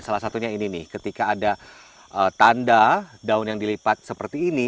salah satunya ini nih ketika ada tanda daun yang dilipat seperti ini